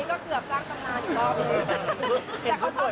ก็เกือบสร้างตำนานอีกรอบนึง